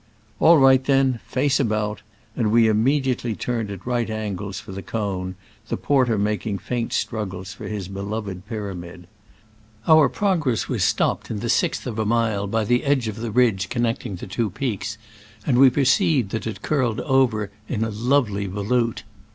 "All right, then: face about ;" and we immediately turned at right angles for the cone, the porter making faint struggles for his beloved pyramid. Our progress was stopped in the sixth of a mile by the edge of the ridge connecting the two peaks, and we perceived that it curled over in a love ly volute.